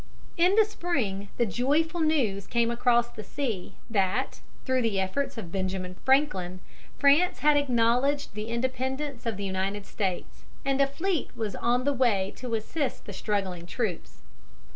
In the spring the joyful news came across the sea that, through the efforts of Benjamin Franklin, France had acknowledged the independence of the United States, and a fleet was on the way to assist the struggling troops.